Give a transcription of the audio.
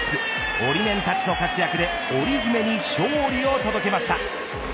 オリメンたちの活躍でオリ姫に勝利を届けました。